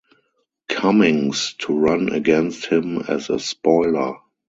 Cummings to run against him as a spoiler.